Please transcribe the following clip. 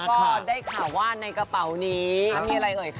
ก็ได้ข่าวว่าในกระเป๋านี้มีอะไรเอ่ยคะ